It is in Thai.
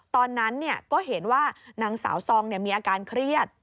ตอนนั้นก็เห็นว่านางสาวซองมีอาการเครียด